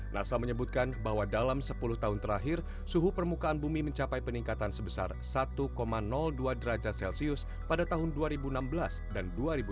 nasa menyebutkan bahwa dalam sepuluh tahun terakhir suhu permukaan bumi mencapai peningkatan sebesar satu dua derajat celcius pada tahun dua ribu enam belas dan dua ribu dua puluh